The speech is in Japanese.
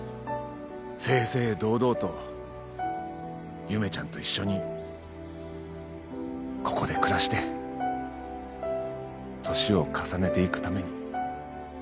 正々堂々と夢ちゃんと一緒にここで暮らして年を重ねていくために。